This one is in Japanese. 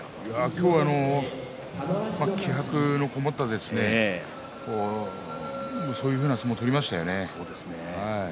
今日は気合いのこもったそういうふうな相撲を取りましたよね。